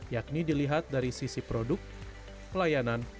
yakni dilihat dari sisi produk pelayanan